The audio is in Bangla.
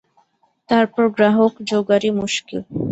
তার পর গ্রাহক যোগাড়ই মুশকিল।